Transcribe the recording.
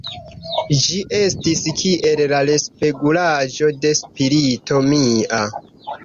Ĝi estis kiel la respegulaĵo de spirito mia.